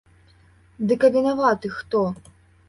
Дык а вінаваты хто?